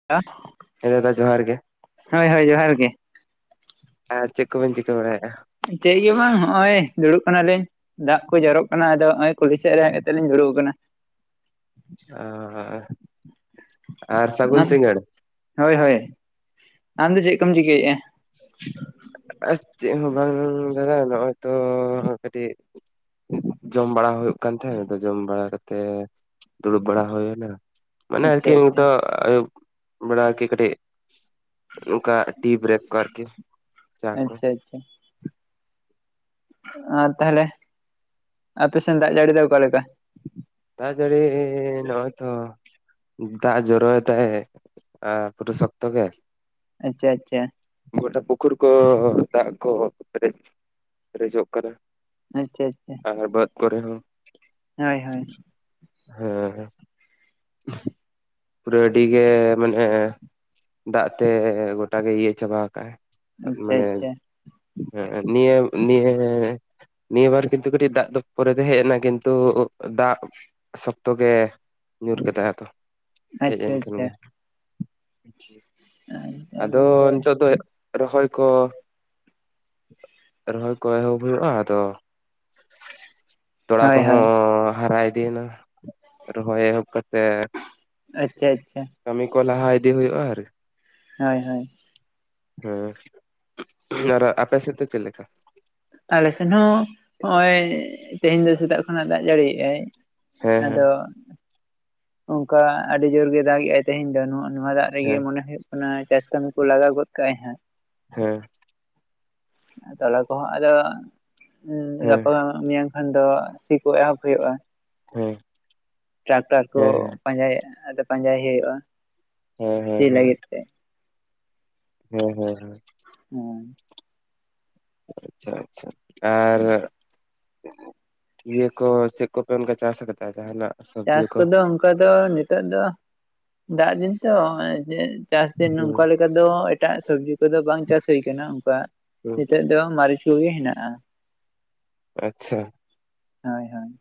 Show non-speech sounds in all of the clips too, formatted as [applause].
[unintelligible] ᱦᱮᱸ ᱫᱟᱫᱟ ᱡᱚᱦᱟᱨ ᱜᱮ᱾ ᱦᱳᱭ ᱦᱳᱭ ᱡᱚᱦᱟᱨ ᱜᱮ᱾ ᱟᱨ ᱪᱮᱫ ᱠᱚ ᱵᱮᱱ ᱪᱤᱠᱟᱹ ᱵᱟᱲᱟᱭᱮᱜ-ᱟ? ᱪᱮᱫ ᱜᱮ ᱵᱟᱝ ᱦᱚᱸᱜ-ᱚᱭ ᱫᱩᱲᱩᱵ ᱠᱟᱱᱟᱞᱤᱧ᱾ ᱫᱟᱜ ᱠᱚ ᱡᱚᱨᱚᱜ ᱠᱟᱱᱟ ᱟᱫᱚ ᱦᱚᱸᱜ-ᱚᱭ ᱠᱩᱞᱦᱤ ᱥᱮᱫ ᱨᱮ ᱦᱮᱡ ᱠᱟᱛᱮᱫ ᱞᱤᱧ ᱡᱩᱲᱩ ᱟᱠᱟᱱᱟ᱾ ᱚᱻ ᱟᱨ ᱥᱟᱹᱜᱩᱱ ᱟᱢ ᱥᱤᱜᱟᱹᱲ᱾ ᱦᱳᱭ ᱦᱳᱭ, ᱟᱢ ᱫᱚ ᱪᱮᱫ ᱠᱚᱢ ᱪᱤᱠᱟᱹᱭᱮᱜ-ᱟ? ᱟᱨ ᱪᱮᱫ ᱦᱚᱸ ᱵᱟᱝ ᱫᱟᱫᱟ ᱱᱚᱜ-ᱚᱭ ᱛᱚ ᱠᱟᱹᱴᱤᱡ ᱡᱚᱢ ᱵᱟᱲᱟ ᱦᱩᱭᱩᱜ ᱠᱟᱱ ᱛᱟᱦᱮᱸ, ᱟᱫᱚ ᱡᱚᱢ ᱵᱟᱲᱟ ᱠᱟᱛᱮᱫ ᱫᱩᱲᱩᱵ ᱵᱟᱲᱟ ᱦᱩᱭᱱᱟ᱾ ᱢᱟᱱᱮ ᱟᱪᱪᱷᱟ ᱟᱨᱠᱤ ᱟᱪᱪᱷᱟ ᱱᱤᱛᱚᱜ ᱟᱭᱩᱵ ᱵᱮᱲᱟ ᱟᱨᱠᱤ ᱠᱟᱴᱤᱡ ᱱᱚᱝᱠᱟ ᱴᱤ ᱵᱨᱮᱠ ᱠᱚ ᱟᱨᱠᱤ᱾ ᱪᱟ ᱠᱚ ᱟᱪᱪᱷᱟ ᱟᱪᱪᱷᱟ᱾ ᱟᱨ ᱛᱟᱦᱞᱮ, ᱟᱯᱮ ᱥᱮᱱ ᱫᱟᱜ ᱡᱟᱹᱲᱤ ᱫᱚ ᱚᱠᱟᱞᱮᱠᱟ? ᱫᱟᱜ ᱡᱟᱹᱲᱤ ᱱᱚᱜ-ᱚᱭ ᱛᱚ᱾ ᱫᱟᱜ ᱡᱚᱨ ᱮᱫᱟᱭ ᱟᱨ ᱯᱩᱨᱟᱹ ᱥᱚᱠᱛᱚ ᱜᱮ᱾ ᱟᱪᱪᱷᱟ ᱟᱪᱪᱷᱟ᱾ ᱜᱚᱴᱟ ᱯᱩᱠᱷᱩᱨ ᱠᱚ ᱫᱟᱜ ᱠᱚ ᱠᱟᱹᱴᱤᱡ ᱯᱮᱨᱮᱡᱚᱜ ᱠᱟᱱᱟ᱾ ᱟᱪᱪᱷᱟ ᱟᱪᱪᱷᱟ, ᱟᱨ ᱵᱟᱹᱫᱽ ᱠᱚᱨᱮ ᱦᱚᱸ ᱦᱳᱭ ᱦᱳᱭ᱾ ᱦᱮᱸ, ᱯᱩᱨᱟᱹ ᱟᱹᱰᱤ ᱜᱮ ᱢᱟᱱᱮ ᱫᱟᱜ ᱛᱮ ᱜᱚᱴᱟᱜᱮ ᱤᱭᱟᱹ ᱪᱟᱵᱟ ᱟᱠᱟᱜ-ᱟᱭ᱾ ᱟᱪᱪᱷᱟ ᱟᱪᱪᱷᱟ᱾ ᱦᱮᱸ ᱱᱤᱭᱟᱹ ᱱᱤᱭᱟᱹ, ᱱᱤᱭᱟᱹ ᱵᱟᱨ ᱠᱤᱱᱛᱩ ᱠᱟᱹᱴᱤᱡ ᱫᱟᱜ ᱫᱚ ᱯᱚᱨᱮᱛᱮ ᱦᱮᱡ ᱮᱱᱟ ᱠᱤᱱᱛᱩ ᱫᱟᱜ ᱥᱚᱠᱛᱚ ᱜᱮ ᱧᱩᱨ ᱠᱮᱫᱟᱭ ᱟᱫᱚ ᱦᱮᱡ ᱟᱪᱪᱷᱟ ᱮᱱᱠᱷᱟᱱ ᱟᱪᱪᱷᱟ ᱜᱮ᱾ ᱟᱹᱰᱤ ᱟᱫᱚ ᱱᱟᱯᱟᱭ ᱱᱤᱛᱚᱜ ᱫᱚ ᱨᱚᱦᱚᱭ ᱠᱚ ᱨᱚᱦᱚᱭ ᱠᱚ ᱮᱦᱚᱵ ᱦᱩᱭᱩᱜ-ᱟ, ᱟᱫᱚ ᱛᱚᱲᱟ ᱦᱳᱭ ᱦᱳᱭ ᱠᱚᱦᱚᱸ ᱦᱟᱨᱟ ᱤᱫᱤᱭᱮᱱᱟ ᱨᱚᱦᱚᱭ ᱮᱦᱚᱵ ᱠᱟᱛ ᱥᱮ, ᱟᱪᱪᱷᱟ ᱟᱪᱪᱷᱟ ᱠᱟᱹᱢᱤ ᱠᱚ ᱞᱟᱦᱟ ᱤᱫᱤ ᱦᱩᱭᱩᱜ-ᱟ ᱟᱨ ᱦᱳᱭ ᱦᱳᱭ᱾ ᱦᱮᱸ, ᱟᱨ ᱟᱯᱮ ᱥᱮᱫ ᱫᱚ ᱪᱮᱫ ᱞᱮᱠᱟ? ᱟᱞᱮ ᱥᱮᱱ ᱦᱚᱸ ᱦᱚᱸᱜ-ᱚᱭ ᱛᱮᱦᱮᱧ ᱫᱚ ᱥᱮᱛᱟᱜ ᱠᱷᱚᱱᱟᱜ ᱫᱟᱜ ᱡᱟᱹᱲᱤᱭᱨᱜ-ᱟᱭ᱾ ᱦᱮᱸ ᱟᱫᱚ ᱚᱝᱠᱟ ᱟᱹᱰᱤ ᱡᱳᱨᱜᱮ ᱫᱟᱜᱮᱜ-ᱟᱭ ᱛᱮᱦᱮᱧ ᱫᱚ ᱱᱚ ᱱᱚᱣᱟ ᱫᱟᱜ ᱦᱮᱸ ᱨᱮᱜᱮ ᱢᱚᱱᱮ ᱦᱩᱭᱩᱭ ᱠᱟᱱᱟ ᱪᱟᱥ ᱠᱟᱹᱢᱤ ᱠᱚ ᱞᱟᱜᱟᱣ ᱜᱚᱫ ᱠᱟᱜ-ᱟᱭ ᱦᱟᱸᱜ᱾ ᱦᱮᱸ᱾ ᱛᱟᱦᱞᱮ ᱠᱚᱫᱚ ᱟᱫᱚ ᱦᱮᱸ ᱜᱟᱯᱟ ᱢᱮᱭᱟᱝ ᱠᱷᱚᱱ ᱫᱚ ᱥᱤ ᱠᱚ ᱮᱦᱚᱵ ᱦᱩᱭᱩᱜ-ᱟ, ᱦᱮᱸ ᱴᱨᱟᱠᱴᱟᱨ ᱠᱚ ᱦᱮᱸ ᱦᱮᱸ ᱯᱟᱸᱡᱟᱭᱮᱜ-ᱟ ᱟᱫᱚ ᱯᱟᱸᱡᱟᱭ ᱦᱩᱭᱩᱜ-ᱟ᱾ ᱦᱮᱸ ᱦᱮᱸ ᱥᱤ ᱦᱮᱸ᱾ ᱞᱟᱹᱜᱤᱫ ᱛᱮ ᱦᱩᱸ ᱦᱩᱸ ᱦᱩᱸ᱾ [unintelligible] ᱟᱪᱪᱷᱟ ᱟᱪᱪᱷᱟ, ᱟᱨ ᱤᱭᱟᱹ ᱠᱚ ᱪᱮᱫ ᱠᱚᱯᱮ ᱚᱱᱠᱟ ᱪᱟᱥ ᱠᱟᱫᱟ ᱡᱟᱦᱟᱱᱟᱜ? ᱪᱟᱥ ᱥᱚᱵᱽᱡᱤ ᱠᱚ ᱠᱚᱫᱚ ᱚᱱᱠᱟ ᱫᱚ ᱱᱤᱛᱚᱜ ᱫᱚ ᱫᱟᱜᱽ ᱫᱤᱱ ᱛᱚ ᱡᱮ ᱪᱟᱥ ᱫᱤᱱ ᱦᱩᱸ ᱱᱚᱝᱠᱟ ᱞᱮᱠᱟ ᱫᱚ ᱮᱴᱟᱜ ᱥᱚᱵᱽᱡᱤ ᱠᱚᱫᱚ ᱵᱟᱝ ᱪᱟᱥ ᱦᱩᱭ ᱠᱟᱱᱟ ᱚᱱᱠᱟ ᱦᱩᱸ ᱱᱤᱛᱚᱜ ᱫᱚ ᱢᱟᱹᱨᱤᱪ ᱠᱚᱜᱮ ᱦᱮᱱᱟᱜ-ᱟ᱾ ᱟᱪᱪᱷᱟ᱾ ᱦᱳᱭ ᱦᱳᱭ᱾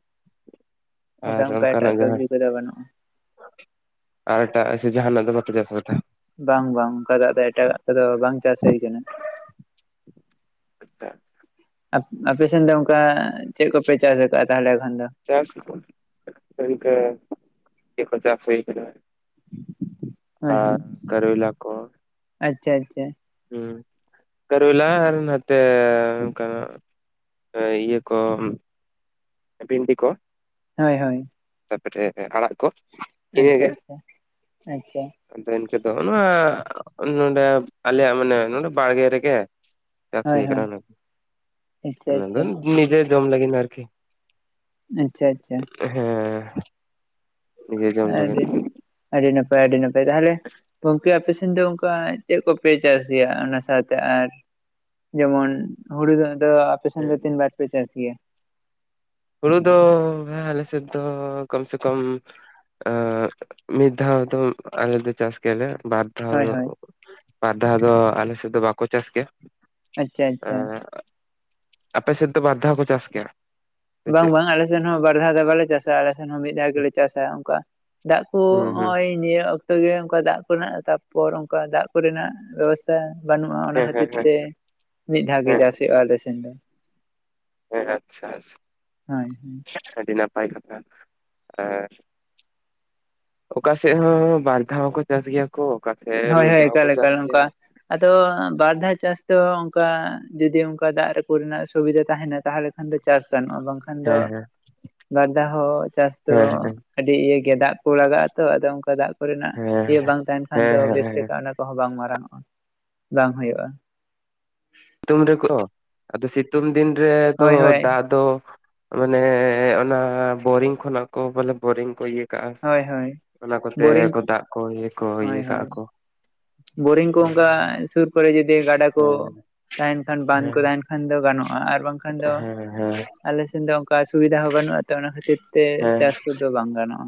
ᱟᱫᱚ ᱟᱨ ᱚᱱᱠᱟ ᱮᱴᱟᱜ ᱚᱱᱠᱟᱱᱟᱜ ᱡᱟᱦᱟᱸ ᱥᱚᱵᱽᱡᱤ ᱠᱚᱫᱚ ᱵᱟᱹᱱᱩᱜ-ᱟ ᱟᱨ ᱮᱴᱟᱜ ᱥᱮ ᱡᱟᱦᱟᱱᱟᱜ ᱫᱚ ᱵᱟᱯᱮ ᱪᱟᱥ ᱠᱟᱫᱟ? ᱵᱟᱝ ᱵᱟᱝ ᱚᱱᱠᱟᱭ ᱫᱟᱜ ᱫᱟᱭ ᱮᱴᱟᱜ ᱠᱚᱫᱚ ᱵᱟᱝ ᱪᱟᱥ ᱦᱩᱭ ᱠᱟᱱᱟ᱾ [unintelligible] ᱟᱯᱮ ᱥᱮᱱ ᱫᱚ ᱚᱱᱠᱟ ᱪᱮᱫ ᱠᱚᱯᱮ ᱪᱟᱥ ᱟᱠᱟᱫᱟ ᱛᱟᱦᱚᱞᱮ ᱠᱷᱟᱱ ᱫᱚ? ᱪᱟᱥ ᱚᱱᱠᱟ ᱪᱮᱫ ᱠᱚ ᱪᱟᱥ ᱦᱩᱭ ᱠᱟᱱᱟ᱾ ᱦᱳᱭ ᱦᱳᱭ ᱠᱟᱨᱮᱞᱟ ᱠᱚ ᱟᱪᱪᱷᱟ ᱟᱪᱪᱷᱟ᱾ ᱦᱩᱸ ᱠᱨᱚᱞᱟ ᱟᱨ ᱱᱚᱛᱮ ᱤᱭᱟᱹ ᱠᱚ ᱵᱷᱤᱱᱰᱤ ᱠᱚ, ᱦᱳᱭ ᱦᱳᱭ᱾ ᱛᱟᱯᱚᱨᱮ ᱟᱲᱟᱜ ᱠᱚ, ᱟᱪᱪᱷᱟ ᱤᱱᱟᱹᱜᱮ ᱟᱪᱪᱷᱟ ᱟᱪᱪᱷᱟ᱾ ᱟᱫᱚ ᱮᱱᱠᱮ ᱫᱚ ᱱᱚᱣᱟ ᱱᱚᱰᱮ ᱟᱞᱮᱭᱟᱜ ᱢᱟᱱᱮ ᱱᱚᱰᱮ ᱵᱟᱲᱜᱮ ᱨᱮᱜᱮ, ᱪᱟᱥ ᱦᱳᱭ ᱦᱩᱭ ᱦᱳᱭ ᱠᱟᱱᱟ ᱟᱪᱪᱷᱟ ᱚᱱᱟᱫᱚ ᱟᱪᱪᱷᱟ ᱱᱤᱡᱮ ᱡᱚᱢ ᱞᱟᱹᱜᱤᱫ ᱟᱨᱠᱤ᱾ ᱟᱪᱪᱷᱟ ᱟᱪᱪᱷᱟ᱾ ᱦᱮᱸ ᱱᱤᱡᱮ ᱡᱚᱢ ᱞᱟᱹᱜᱤᱫ᱾ ᱟᱹᱰᱤ ᱟᱹᱰᱤ ᱱᱟᱯᱟᱭ ᱟᱹᱰᱤ ᱱᱟᱯᱟᱭ ᱛᱟᱦᱚᱞᱮ ᱜᱚᱢᱠᱮ ᱟᱯᱮ ᱥᱮᱫ ᱥᱮᱫ ᱫᱚ ᱚᱱᱠᱟ ᱪᱮᱫ ᱠᱚᱯᱮ ᱪᱟᱥ ᱜᱮᱭᱟ ᱚᱱᱟ ᱥᱟᱶᱛᱮ ᱟᱨ ᱡᱮᱢᱚᱱ ᱦᱩᱲᱩ ᱫᱚ ᱚᱯᱮ ᱥᱮᱱ ᱫᱚ ᱛᱤᱱ ᱵᱟᱨ ᱯᱮ ᱪᱟᱥ ᱜᱮᱭᱟ? ᱦᱩᱲᱩ ᱫᱚ ᱟᱞᱮ ᱥᱮᱫ ᱫᱚ ᱠᱟᱢ ᱥᱮ ᱠᱟᱢ ᱢᱤᱫ ᱫᱷᱟᱣ ᱫᱚ ᱟᱞᱮ ᱫᱚ ᱪᱟᱥ ᱜᱮᱭᱟᱞᱮ, ᱵᱟᱨ ᱟᱨ ᱦᱳᱭ ᱦᱳᱭ ᱵᱟᱨ ᱫᱷᱟᱣ ᱫᱚ ᱟᱞᱮ ᱥᱮᱫ ᱫᱚ ᱵᱟᱠᱚ ᱪᱟᱥ ᱜᱮᱭᱟ᱾ ᱟᱪᱪᱷᱟ ᱟᱪᱪᱷᱟ ᱮᱸ ᱟᱯᱮ ᱥᱮᱫ ᱫᱚ ᱵᱟᱨ ᱫᱷᱟᱣ ᱠᱚ ᱪᱟᱥ ᱜᱮᱭᱟ? ᱥᱮ ᱵᱟᱝ ᱪᱮᱫ? ᱵᱟᱝ ᱟᱞᱮ ᱥᱮᱱ ᱦᱚᱸ ᱵᱟᱨ ᱫᱷᱟᱣ ᱫᱚ ᱵᱟᱞᱮ ᱪᱟᱥᱟ ᱟᱞᱮ ᱥᱮᱱ ᱦᱚᱸ ᱢᱤᱫ ᱫᱷᱟᱣ ᱜᱮᱞᱮ ᱪᱟᱥᱟ ᱚᱱᱠᱟ᱾ ᱫᱟᱜᱽ ᱠᱚ ᱦᱩᱸ ᱦᱩᱸ ᱱᱚᱜᱚᱭ ᱱᱤᱭᱟᱹ ᱚᱠᱛᱚ ᱜᱮ ᱚᱱᱠᱟ ᱫᱟᱜᱽ ᱠᱚᱨᱮᱱᱟᱜ ᱛᱟᱯᱚᱨ ᱚᱱᱠᱟ ᱫᱟᱜᱽ ᱠᱚᱨᱮᱱᱟᱜ ᱵᱮᱵᱚᱥᱛᱷᱟ, ᱵᱟᱹᱱᱩᱜ-ᱟ ᱚᱱᱟ ᱦᱮᱸ ᱦᱮᱸ ᱠᱷᱟᱹᱛᱤᱨ ᱦᱮᱸ ᱛᱮ ᱢᱤᱫ ᱫᱷᱟᱣ ᱜᱮ ᱦᱮᱸ ᱪᱟᱥ ᱦᱩᱭᱩᱜ-ᱟ ᱟᱞᱮ ᱥᱮᱱ ᱫᱚ- ᱦᱮᱸ ᱟᱪᱪᱷᱟ ᱟᱪᱪᱷᱟ᱾ ᱦᱳᱭ ᱦᱮᱸ, ᱟᱹᱰᱤ ᱱᱟᱯᱟᱭ ᱠᱟᱛᱷᱟ, ᱟᱨ ᱚᱠᱟ ᱥᱮᱫ ᱦᱚᱸ ᱵᱟᱨ ᱫᱷᱟᱣ ᱦᱚᱸᱠᱚ ᱪᱟᱥ ᱜᱮᱭᱟ ᱠᱚ ᱚᱠᱟ ᱥᱮᱫ ᱦᱳᱭ ᱢᱤᱫ ᱦᱳᱭ ᱫᱷᱟᱣ ᱮᱠᱟᱞ ᱦᱚᱸᱠᱚ ᱪᱟᱥ ᱮᱠᱟᱞ ᱚᱱᱠᱟ ᱜᱮᱭᱟ᱾ ᱟᱫᱚ ᱵᱟᱨ ᱫᱷᱟᱣ ᱪᱟᱥ ᱫᱚ ᱚᱱᱠᱟ ᱡᱩᱫᱤ ᱚᱱᱠᱟ ᱫᱟᱜᱽ ᱠᱚᱨᱮ ᱨᱮᱱᱟᱜ ᱥᱩᱵᱤᱫᱷᱟ ᱛᱟᱦᱮᱱᱟ ᱛᱟᱦᱚᱞᱮ ᱵᱟᱝᱠᱷᱟᱱ ᱫᱚ ᱪᱟᱥ ᱜᱟᱱᱚᱜ-ᱟ ᱵᱟᱝᱠᱷᱟᱱ ᱫᱚ ᱦᱮᱸ ᱦᱮᱸ ᱵᱟᱨ ᱫᱷᱟᱣ ᱦᱚᱸ ᱪᱟᱥ ᱫᱚ ᱦᱮᱸ ᱦᱮᱸ ᱟᱹᱰᱤ ᱤᱭᱟᱹ ᱜᱮᱭᱟ ᱫᱟᱜᱽ ᱠᱚ ᱞᱟᱜᱟᱜ-ᱟ ᱛᱚ ᱟᱫᱚ ᱚᱱᱠᱟ ᱫᱟᱜᱽ ᱠᱚᱨᱮᱱᱟᱜ ᱦᱮᱸ ᱤᱭᱟᱹ ᱵᱟᱝ ᱛᱟᱦᱮᱱ ᱠᱷᱟᱱ ᱫᱚ ᱦᱮᱸ ᱦᱮᱸ ᱵᱮᱥ ᱦᱮᱸ ᱞᱮᱠᱟ᱾ ᱚᱱᱟ ᱠᱚᱦᱚᱸ ᱵᱟᱝ ᱢᱟᱨᱟᱝᱚᱜ-ᱟ ᱵᱟᱝ ᱦᱩᱭᱩᱜ-ᱟ᱾ ᱥᱤᱛᱩᱝ ᱨᱮᱠᱚ ᱟᱫᱚ ᱥᱤᱛᱩᱝ ᱫᱤᱱ ᱨᱮᱫᱚ ᱦᱳᱭ ᱦᱳᱭ ᱫᱟᱜᱽ ᱫᱚ ᱢᱟᱱᱮ ᱚᱱᱟ ᱵᱳᱨᱤᱝ ᱠᱷᱚᱱᱟᱜ ᱠᱚ ᱵᱚᱞᱮ ᱵᱳᱨᱤᱝ ᱠᱚ ᱤᱭᱟᱹ ᱠᱟᱜ ᱦᱳᱭ ᱦᱳᱭ ᱚᱱᱟ ᱠᱚᱛᱮ ᱵᱳᱨᱤᱝ ᱠᱚ ᱫᱟᱜ ᱠᱚ ᱤᱭᱟᱹ ᱠᱚ ᱤᱭᱟᱹ ᱦᱳᱭ ᱠᱟᱜ-ᱟ ᱦᱳᱭ ᱠᱚ, ᱵᱳᱨᱤᱝ ᱠᱚ ᱚᱱᱠᱟ ᱥᱩᱨ ᱠᱚᱨᱮ ᱡᱩᱚᱫᱤ ᱜᱟᱰᱟ ᱠᱚ ᱦᱮᱸ ᱛᱟᱦᱮᱱ ᱵᱟᱸᱫ ᱠᱚ ᱦᱮᱸ ᱛᱟᱦᱮᱱ ᱠᱷᱟᱱ ᱫᱚ ᱜᱟᱱᱚᱜᱼᱟ ᱟᱨ ᱵᱟᱝᱠᱷᱟᱱ ᱫᱚ ᱦᱮᱸ ᱦᱮᱸ ᱟᱞᱮ ᱥᱮᱱ ᱫᱚ ᱚᱱᱠᱟ ᱥᱩᱵᱤᱫᱷᱟ ᱦᱚᱸ ᱵᱟᱹᱱᱩᱜᱼᱟ ᱛᱚ ᱚᱱᱟ ᱠᱷᱟᱹᱛᱤᱨ ᱛᱮ ᱦᱮᱸ ᱪᱟᱥ ᱠᱚᱫᱚ ᱵᱟᱝ ᱜᱟᱱᱚᱜᱼᱟ᱾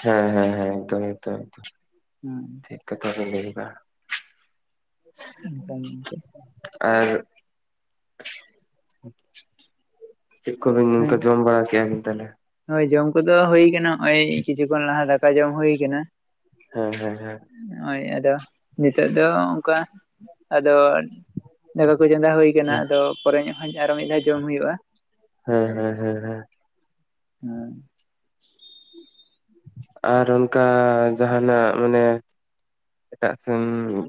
ᱦᱮᱸ ᱦᱮᱸ ᱦᱮᱸ ᱫᱚᱢ ᱫᱚᱢ᱾ ᱦᱮᱸ᱾ ᱴᱷᱤᱠ ᱠᱟᱛᱷᱟ ᱵᱮᱱ ᱞᱟᱹᱭ ᱫᱟ ᱚᱱᱠᱟᱱ ᱜᱚᱝᱠᱮ ᱟᱨ ᱪᱮᱜᱠᱚ ᱵᱤᱱ ᱱᱝᱠᱟ ᱦᱮᱸ ᱡᱚᱢ ᱵᱟᱲᱟ ᱠᱮᱭᱟ ᱵᱤᱱ ᱛᱟᱦᱮᱞᱮ? ᱦᱳᱭ ᱡᱚᱢ ᱠᱚᱫᱚ ᱦᱩᱭ ᱠᱟᱱᱟ ᱱᱚᱜᱼᱭ ᱠᱤᱪᱷᱩ ᱠᱷᱚᱱ ᱞᱟᱦᱟ ᱫᱟᱠᱟ ᱡᱚᱢ ᱦᱩᱭ ᱟᱠᱟᱱᱟ᱾ ᱦᱮᱸ ᱦᱮᱸ ᱦᱮᱸ᱾ ᱱᱚᱜᱭ ᱟᱫᱚ ᱱᱤᱛᱚᱜ ᱫᱚ ᱚᱱᱠᱟ ᱟᱫᱚ ᱫᱟᱠᱟ ᱠᱚ ᱪᱚᱸᱫᱟ ᱦᱩᱭ ᱟᱠᱟᱱᱟ ᱟᱫᱚ ᱯᱚᱨᱮ ᱧᱚᱜ ᱟᱨᱚ ᱢᱤᱫ ᱫᱷᱟᱣ ᱡᱚᱢ ᱦᱩᱭᱩᱜᱼᱟ᱾ ᱦᱮᱸ ᱦᱮᱸ ᱦᱮᱸ ᱦᱮᱸ᱾ ᱦᱮᱸ᱾ ᱟᱨ ᱚᱱᱠᱟ ᱡᱟᱦᱟᱱᱟᱜ ᱢᱟᱱᱮ᱾ ᱮᱴᱟᱜ ᱥᱮᱱ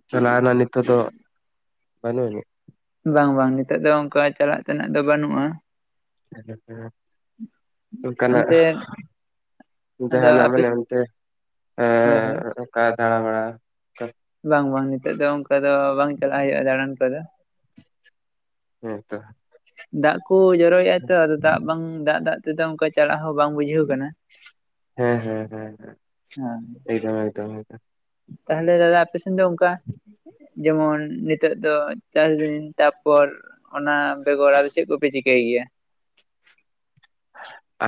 ᱪᱟᱞᱟᱣᱱᱟ ᱱᱤᱛᱚᱜ ᱫᱚ ᱵᱟᱹᱱᱩᱜ ᱟᱹᱱᱤᱡ? ᱵᱟᱝ ᱵᱟᱝ ᱱᱤᱛᱚᱜ ᱫᱚ ᱚᱱᱠᱟ ᱪᱟᱞᱟᱜ ᱛᱮᱱᱟᱜ ᱫᱚ ᱵᱟᱹᱱᱩᱜᱼᱟ᱾ ᱦᱮᱸ ᱦᱮᱸ ᱚᱱᱠᱟᱱᱟᱜ ᱚᱱᱛᱮ ᱟᱫᱚ ᱡᱟᱦᱟᱸᱱᱟᱜ ᱟᱯᱮ ᱢᱟᱱᱮ ᱚᱱᱛᱮ ᱦᱳᱭ ᱦᱳᱭ ᱮᱸ ᱚᱱᱠᱟ ᱫᱟᱲᱟ ᱵᱟᱲᱟ᱾ ᱵᱟᱝ ᱵᱟᱝ ᱱᱤᱛᱚᱜ ᱫᱚ ᱚᱱᱠᱟ ᱫᱚ ᱵᱟᱝ ᱪᱟᱞᱟᱜ ᱦᱩᱭᱩᱜᱼᱟ ᱫᱟᱬᱟᱱ ᱠᱚᱫᱚ᱾ ᱦᱮᱸ ᱛᱚ᱾ ᱫᱟᱜ ᱠᱚᱭ ᱡᱚᱨᱚᱭᱮᱫᱼᱟ ᱛᱚ ᱟᱫᱚ ᱫᱟᱜ ᱵᱟᱝ ᱫᱟᱜ ᱫᱟᱜ ᱛᱮᱫᱚ ᱚᱱᱠᱟ ᱪᱟᱞᱟᱜ ᱦᱚᱸ ᱵᱟᱝ ᱵᱩᱡᱷᱟᱹᱣ ᱠᱟᱱᱟ᱾ ᱦᱮᱸ ᱦᱮᱸ ᱦᱮᱸ ᱦᱮᱸ ᱦᱮᱸ ᱮᱠᱫᱚᱢ ᱮᱠᱫᱚᱢ ᱮᱠᱫᱚᱢ᱾ ᱛᱟᱦᱚᱞᱮ ᱫᱟᱫᱟ ᱟᱯᱮ ᱥᱮᱱ ᱫᱚ ᱚᱱᱠᱟ ᱡᱮᱢᱚᱱ ᱱᱤᱛᱚᱜ ᱫᱚ ᱪᱟᱥ ᱫᱤᱱ ᱛᱟᱯᱚᱨ ᱚᱱᱟ ᱵᱮᱜᱚᱨ ᱟᱨ ᱪᱮᱫ ᱠᱚᱯᱮ ᱪᱤᱠᱟᱹᱭ ᱜᱮᱭᱟ?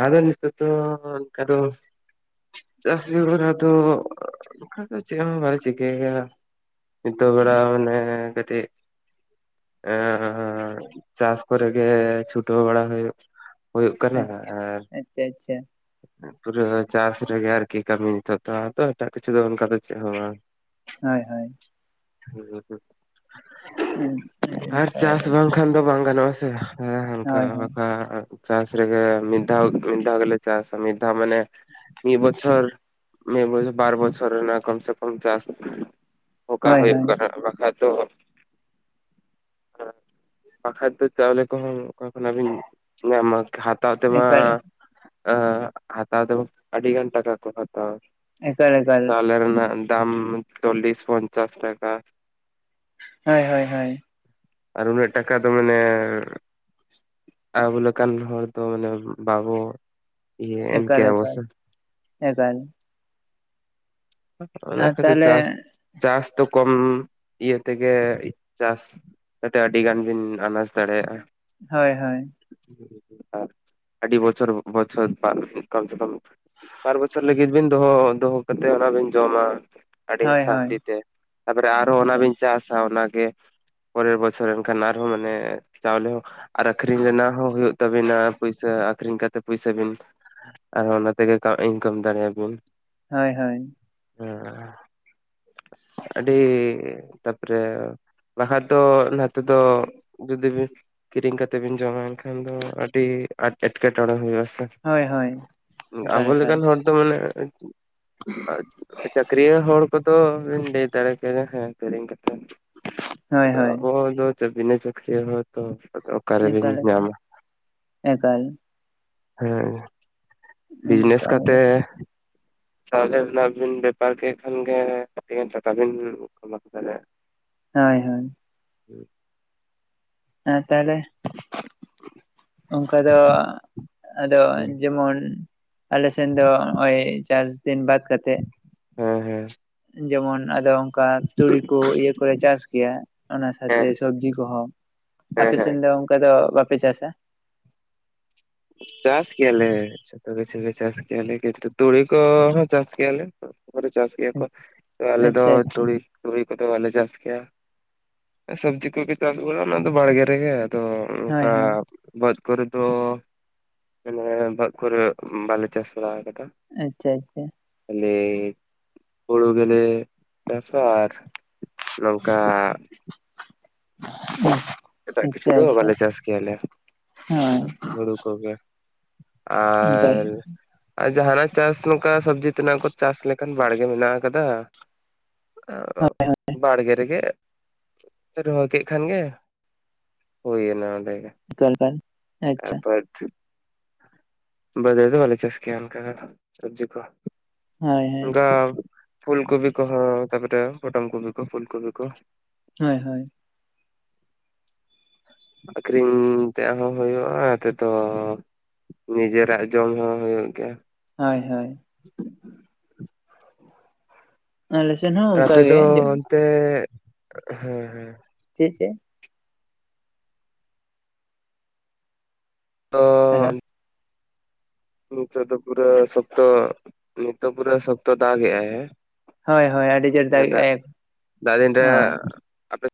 ᱟᱫᱚ ᱱᱤᱛᱚᱜ ᱫᱚ ᱚᱱᱠᱟ ᱫᱚ ᱪᱟᱥ ᱵᱮᱜᱚᱨ ᱟᱫᱚ ᱚᱠᱟ ᱫᱚ ᱪᱮᱫ ᱦᱸ ᱵᱟᱝ ᱪᱤᱠᱟᱹᱭ ᱦᱩᱭᱩᱜᱼᱟ᱾ ᱱᱤᱛᱚᱜ ᱵᱮᱲᱟ ᱢᱮᱱᱟᱭᱟ ᱠᱟᱹᱴᱤᱡ ᱮᱸ ᱪᱟᱥ ᱠᱚᱨᱮᱜᱮ ᱪᱷᱩᱴᱟᱹᱣ ᱵᱟᱲᱟ ᱦᱩᱭᱩᱜ᱾ ᱦᱩᱭᱩᱜ ᱠᱟᱱᱟ ᱟᱨ ᱟᱪᱪᱷᱟ ᱟᱪᱪᱷᱟ ᱯᱩᱨᱟᱹ ᱪᱟᱥ ᱨᱮᱜᱮ ᱟᱨᱠᱤ ᱠᱟᱹᱢᱤ ᱱᱤᱛᱚ ᱫᱚ ᱟᱨ ᱫᱚ ᱮᱴᱟᱜ ᱠᱤᱪᱷᱩ ᱫᱚ ᱚᱱᱠᱟ ᱫᱚ ᱪᱮᱫ ᱦᱚᱸ ᱵᱟᱝ᱾ ᱦᱳᱭ ᱦᱳᱭ᱾ ᱟᱨ ᱪᱟᱥ ᱵᱟᱝ ᱠᱷᱟ ᱠᱷᱟᱱ ᱫᱚ ᱵᱟᱝ ᱜᱟᱱᱚᱜᱼᱟ ᱥᱮ ᱮᱸ ᱦᱟᱱᱠᱟ ᱦᱳᱭ ᱪᱟᱥ ᱨᱮᱜᱮ ᱢᱤᱫ ᱫᱷᱟᱭ ᱢᱤᱫ ᱫᱷᱟᱣ ᱜᱮᱞᱮ ᱪᱟᱥᱟ ᱢᱤᱫ ᱫᱷᱟᱣ ᱢᱟᱱᱮ ᱢᱤᱫ ᱵᱚᱪᱷᱚᱨ᱾ ᱢᱤᱫ ᱵᱚᱪᱷᱚᱨ ᱵᱟᱨ ᱵᱚᱪᱷᱚᱨ ᱨᱮᱱᱟᱜ ᱠᱚᱢ ᱥᱮ ᱠᱚᱢ ᱪᱟᱥ ᱚᱠᱟ ᱦᱳᱭ ᱦᱩᱭᱩᱜ ᱦᱳᱭ ᱠᱟᱱᱟ ᱵᱟᱠᱷᱟ ᱛᱚ᱾ [unintelligible] ᱵᱟᱠᱟᱱ ᱫᱚ ᱪᱟᱣᱞᱮ ᱠᱚᱦᱚᱸ ᱚᱠᱟ ᱠᱷᱚᱱᱟᱜ ᱵᱤᱱ ᱧᱟᱢᱟ? ᱦᱟᱛᱟᱣ ᱛᱮᱢᱟ ᱮᱠᱟᱞ ᱦᱟᱛᱟᱣ ᱛᱮᱢᱚ ᱟᱹᱰᱤ ᱜᱷᱟᱱ ᱴᱟᱠᱟᱠᱚ ᱦᱟᱛᱟᱣᱟ᱾ ᱮᱠᱟᱞ ᱮᱠᱟᱞ ᱪᱟᱣᱞᱮ ᱨᱮᱱᱟᱜ ᱫᱟᱢ ᱪᱚᱞᱞᱤᱥ ᱯᱧᱪᱟᱥ ᱴᱟᱠᱟ᱾ ᱦᱳᱭ ᱦᱳᱭ ᱦᱳᱭ᱾ ᱟᱨ ᱩᱱᱟᱹᱜ ᱴᱟᱠᱟ ᱫᱚ ᱢᱟᱱᱮ ᱟᱵᱚ ᱞᱮᱠᱟᱱ ᱦᱚᱲ ᱛᱚ ᱢᱟᱱᱮ ᱵᱟᱵᱚᱜ ᱤᱭᱟ ᱮᱢ ᱮᱠᱟᱞ ᱠᱮᱭᱟ ᱵᱚ ᱮᱠᱟᱞ ᱥᱮ᱾ ᱮᱠᱟᱞ ᱚᱱᱟ ᱟᱨ ᱠᱷᱟᱹᱛᱤᱨ ᱛᱟᱦᱚᱞᱮ ᱪᱟᱥ ᱪᱟᱥ ᱫᱚ ᱠᱚᱢ ᱤᱭᱟᱹ ᱛᱮᱜᱮ ᱪᱟᱥ᱾ ᱟᱛᱮ ᱟᱹᱰᱤ ᱜᱟᱱ ᱵᱤᱱ ᱟᱱᱰᱟᱡ ᱫᱟᱲᱮᱭᱟᱜᱼᱟ᱾ ᱦᱳᱭ ᱦᱳᱭ᱾ ᱟᱨ ᱟᱹᱰᱤ ᱵᱚᱪᱷᱚᱨ ᱵᱚᱪᱷᱚᱨ [inaudible] ᱠᱚᱢ ᱥᱮ ᱠᱚᱢ ᱵᱟᱨ ᱵᱚᱪᱷᱚᱨ ᱞᱟᱹᱜᱤᱫ ᱵᱤᱱ ᱫᱚᱦᱚ ᱫᱚᱦᱚ ᱠᱟᱛᱮᱫ ᱚᱱᱟ ᱵᱤᱱ ᱡᱚᱢᱟ᱾ ᱟᱹᱰᱤ ᱦᱳᱭ ᱦᱳᱭ ᱥᱟᱱᱛᱤ ᱛᱮ ᱛᱟᱯᱚᱨᱮ ᱟᱨᱦᱚ ᱚᱱᱟᱵᱤᱱ ᱪᱟᱥᱟ ᱚᱱᱟᱜᱮ ᱯᱚᱨᱮᱨ ᱵᱚᱪᱷᱚᱨ ᱮᱱᱠᱷᱟᱱ ᱟᱨ ᱦᱚᱸ ᱢᱟᱱᱮ ᱪᱟᱣᱞᱮ ᱦᱚᱸ ᱟᱨ ᱟᱠᱷᱨᱤᱧ ᱨᱮᱱᱟᱜ ᱦᱚᱸ ᱦᱩᱭᱩᱜ ᱛᱟᱵᱤᱱᱟ ᱯᱩᱭᱥᱟ ᱟᱠᱷᱨᱤᱧ ᱠᱟᱛᱮ ᱯᱩᱭᱥᱟᱹ ᱵᱤᱱ ᱟᱨ ᱚᱱᱟᱛᱮ ᱜᱮ ᱤᱱᱠᱟᱢ ᱫᱟᱲᱮᱭᱟ ᱵᱤᱱ᱾ ᱦᱳᱭ ᱦᱳᱭ᱾ ᱦᱮᱸ ᱟᱹᱰᱤ ᱛᱟᱯᱚᱨᱮ ᱵᱟᱠᱷᱟᱡ ᱫᱚ ᱱᱟᱛᱮ ᱫᱚ ᱡᱩᱫᱤ ᱵᱤᱱ ᱠᱤᱨᱤᱧ ᱠᱟᱛᱮ ᱵᱤᱱ ᱡᱚᱢᱟ ᱮᱱᱠᱷᱟᱱ ᱫᱚ ᱟᱹᱰᱤ ᱟᱡᱽ ᱮᱴᱠᱮᱴᱚᱲᱮ ᱦᱳᱭᱳᱜ-ᱟ ᱥᱮ᱾ ᱦᱳᱭ ᱦᱳᱭ ᱮᱠᱟᱞ ᱟᱵᱚ ᱞᱮᱠᱟᱱ ᱮᱠᱟᱞ ᱦᱚᱲ ᱫᱚ ᱢᱟᱱᱮ [unintelligible] ᱪᱟᱹᱠᱨᱤᱭᱟᱹᱱ ᱦᱚᱲ ᱠᱚᱫᱚ ᱵᱤᱱ ᱞᱟᱹᱭ ᱫᱟᱲᱮ ᱠᱮᱭᱟ ᱦᱮᱸ ᱠᱤᱨᱤᱧ ᱠᱟᱛᱮᱫ᱾ ᱦᱳᱭ ᱟᱫᱚ ᱦᱳᱭ ᱟᱵᱚ ᱫᱚ ᱪᱟᱠ ᱵᱤᱱᱟ ᱪᱟᱠᱨᱤᱭᱟᱹᱱ ᱦᱚᱲ ᱛᱚ᱾ ᱚᱠᱟᱨᱮᱵᱤᱱ ᱮᱠᱟᱞ ᱮᱠᱟ ᱧᱟᱢᱟ ᱮᱠᱟᱞ᱾ ᱦᱮᱸ ᱵᱤᱡᱽᱱᱮᱥ ᱚᱱᱠᱟ ᱜᱮ ᱠᱟᱛᱮ ᱛᱟᱦᱚᱞᱮ ᱚᱱᱟᱵᱤᱱ ᱵᱮᱯᱟᱨ ᱠᱮᱫ ᱠᱷᱟᱱ ᱜᱮ ᱟᱹᱰᱤᱜᱟᱱ ᱴᱟᱠᱟ ᱵᱤᱱ ᱠᱟᱢᱟᱣ ᱫᱟᱞᱮᱭᱟᱜ᱾ ᱦᱳᱭ ᱦᱳᱭ᱾ ᱦᱮᱸ᱾ ᱟᱨ ᱛᱟᱦᱚᱞᱮ ᱚᱱᱠᱟ ᱫᱚ ᱟᱫᱚ ᱦᱮᱸ ᱡᱮᱢᱚᱱ ᱟᱞᱮᱥᱮᱱ ᱫᱚ ᱱᱚᱜᱼᱚᱭ ᱪᱟᱥ ᱫᱤᱱ ᱵᱟᱫ ᱠᱟᱛᱮᱜ ᱦᱮᱸ ᱦᱮᱸ᱾ ᱡᱮᱢᱚᱱ ᱟᱫᱚ ᱚᱱᱠᱟ ᱛᱩᱲᱤ ᱠᱚ ᱤᱭᱟᱹ ᱠᱚᱞᱮ ᱪᱟᱥ ᱜᱮᱭᱟ ᱚᱱᱟ ᱦᱮᱸ ᱥᱟᱶᱛᱮ ᱥᱚᱵᱽᱡᱤ ᱠᱚ ᱦᱚᱸ᱾ ᱦᱮᱸ ᱟᱯᱮ ᱦᱮᱸ ᱥᱮᱱ ᱫᱚ ᱚᱱᱠᱟ ᱫᱚ ᱵᱟᱯᱮ ᱪᱟᱥᱟ? ᱪᱟᱥ ᱜᱮᱭᱟᱞᱮ᱾ ᱡᱚᱛᱚ ᱠᱤᱪᱷᱩ ᱜᱮ ᱪᱟᱥ ᱠᱮᱭᱟ ᱞᱮ ᱠᱤᱱᱛᱩ ᱛᱩᱲᱤ ᱠᱚ ᱦᱚᱸ ᱪᱟᱥ ᱠᱮᱭᱟ ᱞᱮ᱾ ᱤᱭᱟᱹ ᱠᱚ ᱛᱚ ᱟᱞᱮ ᱫᱚ ᱟᱪᱪᱷᱟ ᱟᱪᱪᱷᱟ ᱛᱩᱲᱤ ᱛᱩᱲᱤ‌ ᱠᱚᱫᱚ ᱵᱟᱞᱮ ᱪᱟᱥ ᱠᱮᱭᱟ ᱥᱚᱵᱽᱡᱤ ᱠᱚᱜᱮ ᱪᱟᱥ ᱵᱟᱲᱟ ᱚᱱᱟ ᱫᱚ ᱵᱟᱲᱜᱮ ᱨᱮᱜᱮ ᱟᱫᱚ ᱦᱳᱭ ᱚᱱᱠᱟ ᱦᱳᱭ ᱵᱟᱹᱫᱽ ᱠᱚᱨᱮ ᱫᱚ ᱟᱱᱮ ᱵᱟᱹᱫᱽ ᱠᱚᱨᱮ ᱵᱟᱞᱮ ᱪᱟᱥ ᱵᱟᱲᱟ ᱟᱠᱟᱫᱟ᱾ ᱟᱪᱪᱷᱟ ᱟᱪᱪᱷᱟ᱾ ᱟᱞᱮ ᱦᱩᱲᱩ ᱜᱮᱞᱮ ᱪᱟᱥᱟ ᱟᱨ ᱱᱚᱝᱠᱟ ᱦᱩᱸ᱾ ᱮᱴᱟᱜ ᱠᱤᱪᱷᱩ ᱫᱚ ᱵᱟᱞᱮ ᱪᱟᱥ ᱠᱮᱭᱟᱞᱮ᱾ ᱦᱳᱭ ᱦᱩᱲᱩ ᱠᱚᱜᱮ ᱮᱠᱟᱞ ᱟᱨ ᱟᱨ ᱡᱟᱦᱟᱱᱟᱜ ᱪᱟᱥ ᱚᱱᱠᱟ ᱥᱚᱵᱽᱡᱤ ᱛᱮᱱᱟᱜ ᱠᱚ ᱪᱟᱥ ᱞᱮᱠᱷᱟᱱ ᱵᱟᱲᱜᱮ ᱢᱮᱱᱟᱜ ᱟᱠᱟᱫᱟ, ᱮᱠᱟᱞ ᱵᱟᱲᱜᱮ ᱨᱮᱜᱮ ᱨᱚᱦᱚᱭ‌ ᱠᱮᱜ ᱠᱷᱟᱱ ᱜᱮ ᱦᱩᱭ ᱚᱱᱮ ᱚᱸᱰᱮ ᱜᱮ᱾ [unintelligible] ᱮᱠᱟᱞ ᱮᱠᱟᱞ ᱟᱪᱪᱷᱟ [unintelligible] ᱨᱮ ᱫᱚ ᱵᱟᱞᱮ ᱪᱟᱥ ᱠᱮᱭᱟ ᱚᱱᱠᱟ ᱠᱚᱫᱚ ᱥᱚᱵᱽᱡᱤ ᱠᱚ᱾ ᱦᱳᱭ ᱦᱳᱭ ᱚᱱᱠᱟ ᱯᱷᱩᱞ ᱠᱚᱯᱤ ᱠᱚᱦᱚᱸ ᱛᱟᱨᱯᱚᱨᱮ ᱯᱚᱴᱚᱢ ᱠᱚᱯᱤ ᱠᱚ ᱯᱷᱩᱞ ᱠᱚᱯᱤ ᱠᱚ᱾ ᱦᱳᱭ ᱦᱳᱭ᱾ [inaudible] ᱟᱹᱠᱷᱨᱤᱧ ᱛᱮ ᱦᱚᱸ ᱦᱩᱭᱩᱜᱼᱟ ᱦᱟᱛᱮ ᱫᱚ ᱱᱤᱡᱮᱨᱟᱜ ᱡᱚᱢ ᱦᱚᱸ ᱦᱩᱭᱩᱜ ᱜᱮᱭᱟ᱾ ᱦᱳᱭ, ᱦᱳᱭ, ᱟᱞᱮ‌ ᱥᱮᱱ ᱦᱚᱸ, ᱚᱱᱠᱟ ᱟᱯᱮ ᱜᱮ ᱫᱚ ᱚᱱᱛᱮ ᱦᱮᱸ, ᱦᱮᱸ, ᱪᱮᱫ‌‌? ᱪᱮᱫ? ᱛᱚᱻ ᱦᱮᱞᱳ ᱱᱤᱛᱚᱜ ᱫᱚ ᱯᱩᱨᱟᱹ ᱥᱚᱠᱛᱚ ᱱᱤᱛᱚᱜ ᱯᱩᱨᱟᱹ ᱥᱚᱠᱛᱚ ᱫᱟᱜᱽ ᱮᱫᱟᱭ, ᱦᱮᱸ, ᱦᱳᱭ ᱦᱳᱭ ᱟᱹᱰᱤ ᱡᱳᱨ ᱫᱟᱜ, ᱮᱜᱟᱭ ᱫᱟᱜ ᱫᱤᱱ ᱨᱮ ᱦᱳᱭ ᱟᱯᱮ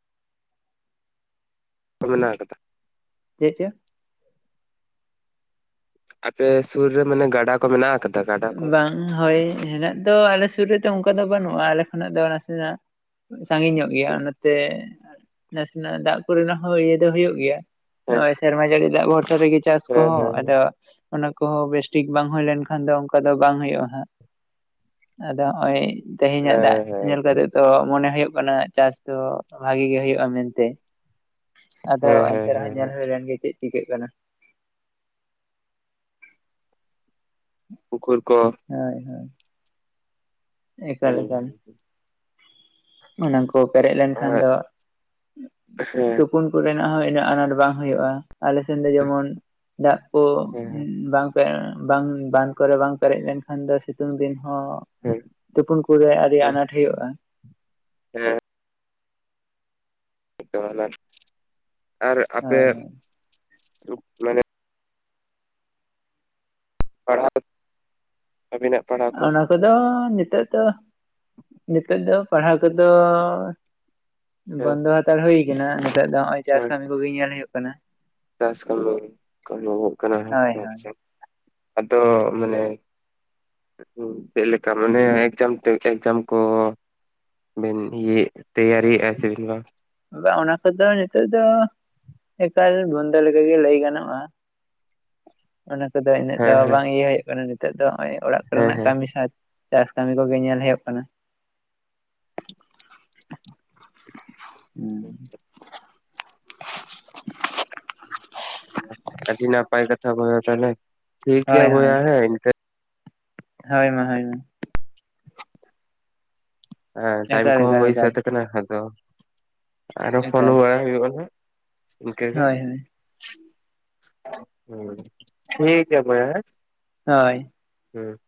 [unintelligible] ᱢᱮᱱᱟᱜ ᱟᱠᱟᱫᱟ᱾ ᱪᱮᱫ ᱪᱚ? ᱟᱯᱮ ᱥᱩᱨ ᱨᱮ ᱢᱟᱱᱮ ᱜᱟᱰᱟ ᱠᱚ ᱢᱮᱱᱟᱜ ᱟᱠᱟᱫᱟ? ᱜᱟᱰᱟ ᱠᱚ? ᱵᱟᱝ ᱦᱳᱭ ᱦᱮᱱᱟᱜ ᱫᱚ ᱟᱞᱮ ᱥᱩᱨ ᱨᱮᱫᱚ ᱚᱱᱠᱟ ᱫᱚ ᱵᱟᱹᱱᱩᱜᱼᱟ ᱟᱞᱮ ᱠᱷᱚᱱᱟᱜ ᱫᱚ ᱱᱟᱥᱮᱱᱟᱜ ᱥᱟᱺᱜᱤᱧ ᱧᱚᱜ ᱜᱮᱭᱟ ᱚᱱᱟᱛᱮ ᱱᱟᱥᱮᱱᱟᱜ ᱫᱟᱜ ᱠᱚᱨᱮᱱᱟᱜ ᱦᱚᱸ ᱤᱭᱟᱹ ᱫᱚ ᱦᱩᱭᱩᱜ ᱜᱮᱭᱟ ᱦᱮᱸ ᱱᱚᱭᱚ ᱥᱮᱨᱢᱟ ᱡᱟᱹᱲᱤ ᱫᱟᱜ ᱵᱷᱚᱨᱥᱟ ᱨᱮᱜᱮ ᱪᱟᱥ ᱦᱮᱸ ᱠᱚᱦᱚᱸ ᱦᱮᱸ ᱟᱫᱚ ᱚᱱᱟ ᱠᱚᱦᱚᱸ ᱵᱮᱥᱴᱷᱤᱠ ᱵᱟᱝ ᱦᱩᱭ ᱞᱮᱱᱠᱷᱟᱱ ᱫᱚ ᱟᱫᱚ ᱵᱟᱝ ᱦᱩᱭᱩᱜᱼᱟ ᱦᱟᱸᱜ ᱟᱫᱚ ᱱᱚᱜᱼᱚᱭ ᱛᱮᱦᱮᱧᱟᱜ ᱫᱟᱜ ᱦᱮᱸ ᱦᱮᱸ ᱧᱮᱞ ᱮᱠᱫᱚᱢ ᱠᱟᱛᱮ ᱛᱚ ᱢᱚᱱᱮ ᱦᱩᱭᱩᱜ ᱠᱟᱱᱟ ᱪᱟᱥ ᱫᱚ ᱵᱷᱟᱜᱤ ᱜᱮ ᱦᱳᱭᱳᱜᱼᱟ ᱢᱮᱱᱛᱮ᱾ ᱟᱫᱚ ᱦᱮᱸ ᱦᱮᱸ ᱮᱱᱛᱮ ᱨᱮᱦᱚᱸ ᱦᱮᱸ ᱧᱮᱞ ᱦᱮᱸ ᱦᱩᱭ ᱞᱮᱱ ᱜᱮ ᱪᱮᱫ ᱪᱤᱠᱟᱹᱜ ᱠᱟᱱᱟ᱾ ᱯᱩᱠᱷᱨ ᱠᱚ, ᱦᱳᱭ, ᱦᱳᱭ, ᱦᱩᱸ, ᱮᱠᱟᱞ ᱦᱩᱸ, ᱚᱱᱟᱠᱚ ᱯᱮᱨᱮᱡ ᱞᱮᱱᱠᱷᱟᱱ ᱦᱮᱸ ᱫᱚ ᱦᱮᱸ ᱛᱩ ᱯᱩᱱ ᱠᱚᱨᱮᱱᱟᱜ ᱦᱚᱸ ᱤᱱᱟᱹᱜ ᱟᱱᱟᱴ ᱵᱟᱝ ᱦᱩᱭᱩᱜᱼᱟ᱾ ᱟᱞᱮᱥᱱ ᱫᱚ ᱡᱮᱢᱚᱱ ᱫᱟᱜ ᱠᱚ ᱦᱮᱸ ᱵᱟᱝ ᱯᱮ ᱵᱟᱝ ᱵᱟᱸᱫᱷ ᱠᱚᱨᱮ ᱵᱟᱝ ᱯᱮᱨᱮᱡ ᱞᱮᱱᱠᱷᱟᱱ ᱫᱚ ᱥᱤᱛᱩᱝ ᱫᱤᱱ ᱦᱚᱸ ᱦᱮᱸ, ᱛᱩᱯᱩᱱ ᱠᱚᱨᱮ ᱟᱹᱰᱤ ᱦᱮᱸ ᱟᱱᱟᱴ ᱦᱩᱭᱩᱜᱼᱟ᱾ ᱦᱮᱸ, ᱟᱨ ᱟᱯᱮ, ᱦᱳᱭ ᱦᱳᱭ ᱢᱟᱱᱮ ᱯᱟᱲᱦᱟᱣ ᱟᱹᱵᱤᱱᱟᱜ? ᱯᱟᱲᱦᱟᱣ ᱠᱚ ᱚᱱᱟ ᱠᱚᱫᱚ ᱱᱤᱛᱳᱜ ᱫᱚ, ᱱᱤᱛᱚᱜ ᱫᱚ, ᱯᱟᱲᱦᱟᱣ ᱠᱚᱫᱚᱻ ᱦᱮᱸ ᱵᱚᱱᱫᱚ ᱦᱟᱛᱟᱲ ᱦᱩᱭ ᱠᱟᱱᱟ ᱱᱤᱛᱟᱨ ᱫᱚ ᱦᱚᱸᱜᱚᱭ ᱪᱟᱥ ᱦᱮᱸ ᱠᱟᱹᱢᱤ᱾ ᱵᱩᱹᱜᱤ ᱧᱮᱞ ᱦᱩᱭᱩᱜ ᱠᱟᱱᱟ᱾ ᱪᱟᱥ ᱠᱟᱹᱢᱤ ᱜᱟᱱᱚᱜᱚᱜ ᱠᱟᱱᱟ [unintelligible] ᱦᱳᱭ ᱦᱳᱭ [unintelligible] ᱟᱫᱚ ᱢᱟᱱᱮ, ᱪᱮᱫ ᱞᱮᱠᱟ ᱢᱟᱱᱮ ᱮᱠᱡᱟᱢ ᱴᱮ ᱮᱠᱡᱟᱢ ᱠᱚ ᱵᱮᱱ ᱤᱭᱟᱭᱮᱜ ᱛᱮᱭᱟᱹᱨᱤᱮᱜᱼᱟ ᱥᱮ ᱵᱟᱝ? ᱵᱟ ᱚᱱᱟ ᱠᱚᱫᱚ ᱱᱤᱛᱚᱜ ᱫᱚ ᱮᱠᱟᱞ ᱵᱚᱱᱫᱚ ᱞᱮᱠᱟᱜᱮ ᱞᱟᱹᱭ ᱜᱟᱱᱚᱜᱼᱟ᱾ ᱚᱱᱟ ᱠᱚᱫᱚ ᱤᱱᱟᱹᱜ ᱫᱚ ᱦᱮᱸ ᱦᱮᱸ ᱵᱟᱝ ᱤᱭᱟᱹ ᱦᱩᱭᱩᱜ ᱠᱟᱱᱟ ᱱᱤᱛᱚᱜ ᱫᱚ ᱱᱚᱜᱼᱚᱭ ᱚᱲᱟᱜ ᱦᱮᱸ ᱠᱚᱨᱮᱱᱟᱜ ᱦᱮᱸ ᱠᱟᱹᱢᱤ ᱥᱟᱸᱡ ᱪᱟᱥ ᱠᱟᱹᱢᱤ ᱠᱚᱜᱮ ᱧᱮᱞ ᱦᱩᱭᱩᱜ ᱠᱟᱱᱟ᱾ [unintelligible] [unintelligible] ᱟ ᱟ. ᱰᱤ ᱱᱟᱯᱟᱭ ᱠᱟᱛᱷᱟ ᱵᱚᱭᱦᱟ ᱛᱟᱦᱚᱞᱮ ᱴᱷᱤᱠ ᱜᱮᱭᱟ ᱦᱳᱭ ᱦᱳᱭ ᱵᱚᱭᱦᱟ, ᱦᱮᱸ, ᱤᱱᱠᱟᱹ ᱦᱳᱭ ᱢᱟ, ᱦᱳᱭ ᱢᱟ᱾ ᱦᱮᱸ ᱴᱟᱭᱤᱢ ᱮᱠᱟᱞ ᱠᱚᱦᱚᱸ ᱮᱠᱟᱞ ᱦᱩᱭ ᱮᱠᱟᱞ ᱥᱟᱹᱛ ᱠᱟᱱᱟ ᱟᱫᱚ ᱟᱨᱚ ᱯᱷᱳᱱ ᱮᱠᱟᱞ ᱵᱟᱲᱟ ᱦᱩᱭᱩᱜ-ᱟ ᱱᱟᱜ ᱤᱱᱠᱟᱹᱮ ᱦᱳᱭ ᱦᱳᱭ ᱴᱷᱤᱠ ᱜᱮᱭᱟ ᱵᱟᱭᱦᱟ ᱦᱮᱸ ᱦᱳᱭ᱾ ᱦᱮᱸ,